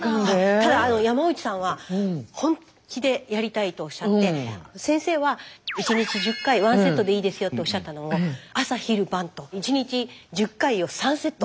ただ山内さんは「本気でやりたい」とおっしゃって先生は「１日１０回ワンセットでいいですよ」っておっしゃったのを朝昼晩と１日１０回を３セット。